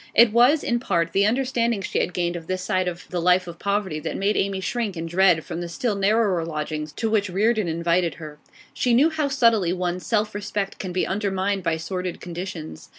It was, in part, the understanding she had gained of this side of the life of poverty that made Amy shrink in dread from the still narrower lodgings to which Reardon invited her. She knew how subtly one's self respect can be undermined by sordid conditions.